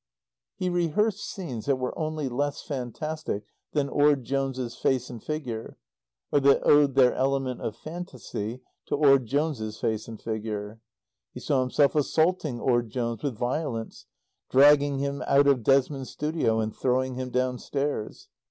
He rehearsed scenes that were only less fantastic than Orde Jones's face and figure, or that owed their element of fantasy to Orde Jones's face and figure. He saw himself assaulting Orde Jones with violence, dragging him out of Desmond's studio, and throwing him downstairs.